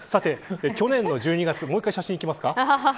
去年の１２月もう一回、写真いきますか。